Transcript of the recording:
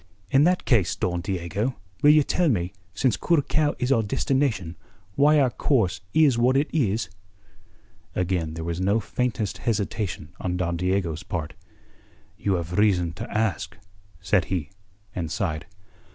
"In that case, Don Diego, will you tell me, since Curacao is our destination, why our course is what it is?" Again there was no faintest hesitation on Don Diego's part. "You have reason to ask," said he, and sighed.